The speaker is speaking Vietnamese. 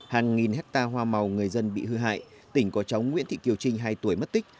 hàng nghìn hectare hoa màu người dân bị hư hại tỉnh có cháu nguyễn thị kiều trinh hai tuổi mất tích